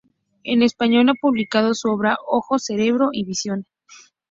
En español ha publicado su obra "Ojo, cerebro y visión".